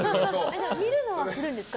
でも、見るのはするんですか？